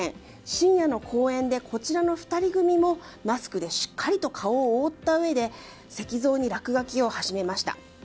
深夜の公園でこちらの２人組もマスクでしっかりと顔を覆ったうえで石像に落書きを始めました。